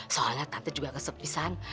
soalnya tante juga kesepisan